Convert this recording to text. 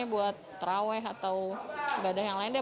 buat terawih atau ibadah yang lain deh